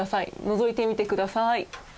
のぞいてみてください。